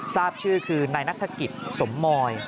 ทราบชื่อคือนายนัฐกิจสมมอย